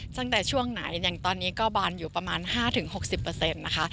ตั้งแต่ช่วงไหนอย่างตอนนี้ก็บานอยู่ประมาณ๕๖๐นะคะ